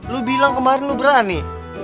lo bilang kemarin lo berani